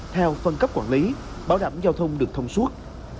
theo phân cấp quản lý bảo đảm giao thông được thông suốt